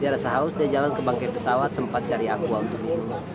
dia rasa haus dia jalan ke bangkai pesawat sempat cari aku waktu itu